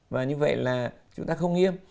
và như vậy là chúng ta không nghiêm